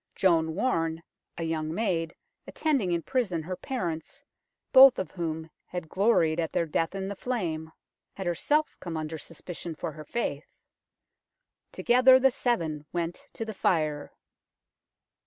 Joan Warne, a young maid, attending in prison her parents, both of whom had gloried at their death in the flame, had herself come under suspicion for her faith. Together the seven went to the fire.